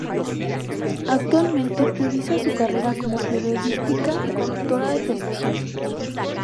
Actualmente prioriza su carrera como periodista y conductora de televisión.